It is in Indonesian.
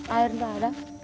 air tidak ada